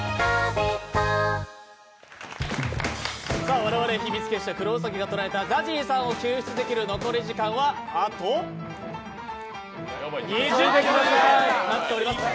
我々、秘密結社クロウサギが捉えたＺＡＺＹさんを救出できる残り時間はあと２０分となっております。